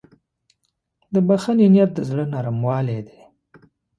د بښنې نیت د زړه نرموالی دی.